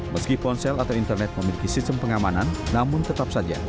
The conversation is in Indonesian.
meski ponsel atau internet memiliki sistem pengamanan namun tetap saja